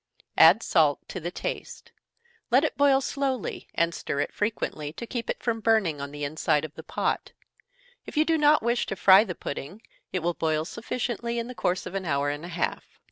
Add salt to the taste. Let it boil slowly, and stir it frequently, to keep it from burning on the inside of the pot. If you do not wish to fry the pudding, it will boil sufficiently in the course of an hour and a half.